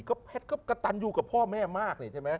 ก็กระตันอยู่กับพ่อแม่มาก